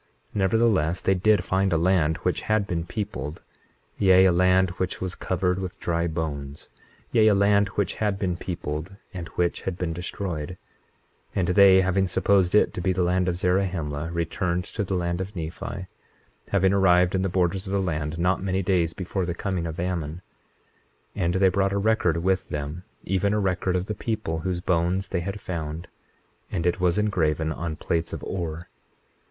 21:26 Nevertheless, they did find a land which had been peopled; yea, a land which was covered with dry bones; yea, a land which had been peopled and which had been destroyed; and they, having supposed it to be the land of Zarahemla, returned to the land of Nephi, having arrived in the borders of the land not many days before the coming of Ammon. 21:27 And they brought a record with them, even a record of the people whose bones they had found; and it was engraven on plates of ore.